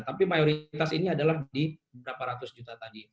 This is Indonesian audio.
tapi mayoritas ini adalah di berapa ratus juta tadi